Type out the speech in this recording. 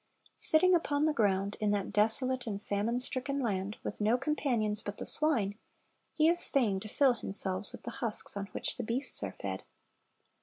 Sitting upon the ground, in that desolate and famine stricken land, with no companions but the swine, he is fain to fill himself with the husks on which the beasts are fed.